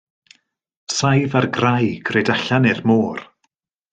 Saif ar graig red allan i'r môr.